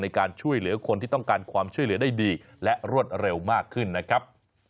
ในการช่วยเหลือคนที่ต้องการความช่วยเหลือได้ดีและรวดเร็วมากขึ้นนะครับ